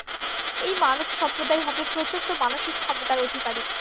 এই মানব সম্প্রদায় হবে প্রচণ্ড মানসিক ক্ষমতার অধিকারী।